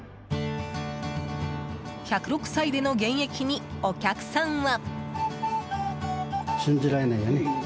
１０６歳での現役にお客さんは。